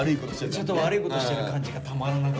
ちょっと悪いことしてる感じがたまらなくて。